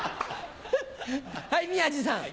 はい宮治さん。